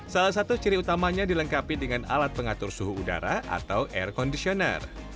salah satu ciri utamanya dilengkapi dengan alat pengatur suhu udara atau air conditioner